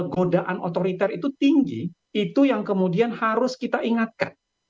godaan otoriter itu tinggi itu yang kemudian harus kita ingatkan